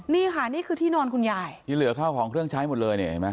นี่ค่ะนี่คือที่นอนคุณยายที่เหลือเข้าของเครื่องใช้หมดเลยเนี่ยเห็นไหม